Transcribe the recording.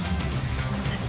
すいません。